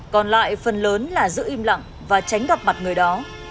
còn lại phần lớn là giữ im lặng và tránh gặp mặt người đó